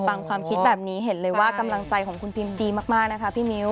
ความคิดแบบนี้เห็นเลยว่ากำลังใจของคุณพิมดีมากนะคะพี่มิ้ว